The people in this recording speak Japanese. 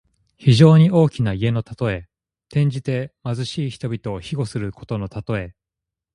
非常に大きな家のたとえ。転じて、貧しい人々を庇護することのたとえ。